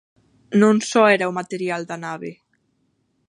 Non só era o material da nave.